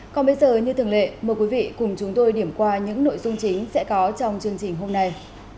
còn bây giờ như thường lệ mời quý vị cùng chúng tôi điểm qua những nội dung chính sẽ có trong chương trình hôm nay